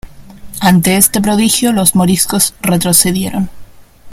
Ante este prodigio los moriscos retrocedieron.